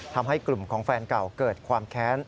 ทำให้กลุ่มของแฟนเก่าเกิดความแค้น